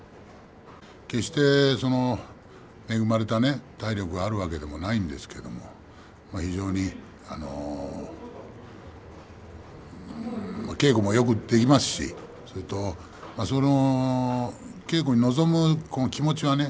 決して恵まれたね体力があるわけじゃないですけども非常に稽古もよくできますし稽古に臨む気持ちはね